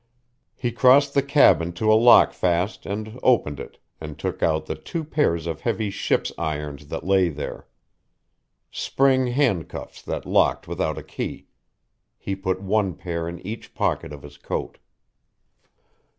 He crossed the cabin to a lockfast, and opened it, and took out the two pairs of heavy ship's irons that lay there. Spring handcuffs that locked without a key.... He put one pair in each pocket of his coat.